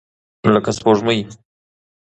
لکه سپوږمۍ.